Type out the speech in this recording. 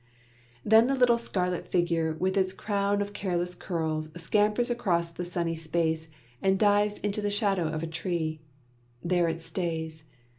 Then the little scarlet figure with its crown of careless curls scampers across the sunny space, and dives into the shadow of a tree. There it stays.